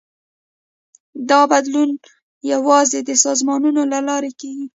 دا بدلون یوازې د سازمانونو له لارې کېږي.